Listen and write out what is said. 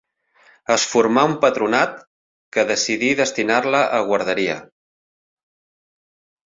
Es formà un patronat que decidí destinar-la a guarderia.